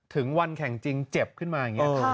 ถึงวันแข่งจริงเจ็บขึ้นมาอย่างนี้